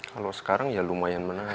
kalau sekarang ya lumayan menahan